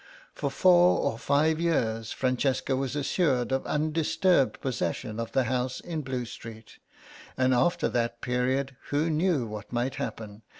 For four or five years Francesca was assured of undisturbed possession of the house in Blue Street, and after that period who knew what might happen?